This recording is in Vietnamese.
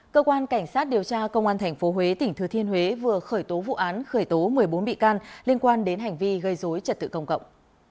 cơ quan cảnh sát điều tra công an tp huế vừa khởi tố vụ án khởi tố một mươi bốn bị can liên quan đến hành vi gây dối trật tự công cộng